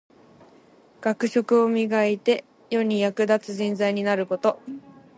学識を磨いて、世に役立つ人材になること。